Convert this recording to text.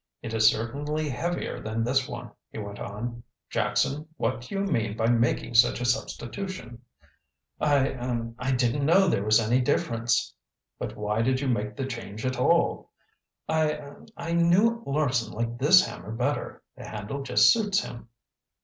"It is certainly heavier than this one," he went on. "Jackson, what do you mean by making such a substitution?" "I er I didn't know there was any difference." "But why did you make the change at all?" "I er I knew Larson liked this hammer better. The handle just suits him."